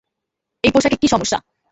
এই পোশাকে কী সমস্যা?